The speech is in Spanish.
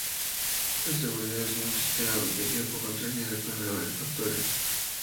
La seguridad de un sistema protegido por contraseña depende de varios factores.